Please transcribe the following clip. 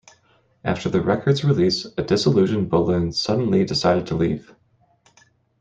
After the record's release, a disillusioned Bolin suddenly decided to leave.